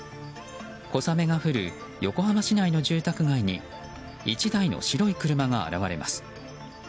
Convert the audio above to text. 小雨が降る横浜市内の住宅街に１台の白い車が現れます。